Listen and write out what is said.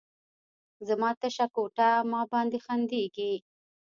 زما تشه کوټه، ما باندې خندیږې